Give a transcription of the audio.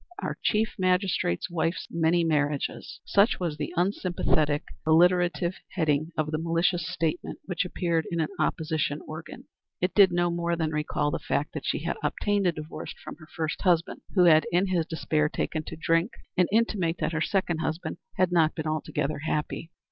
Our Chief Magistrate's Wife's Many Marriages!" Such was the unsympathetic, alliterative heading of the malicious statement which appeared in an opposition organ. It did no more than recall the fact that she had obtained a divorce from her first husband, who had in his despair taken to drink, and intimate that her second husband had not been altogether happy.